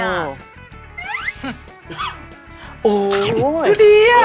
โอ้ยดูดิอะ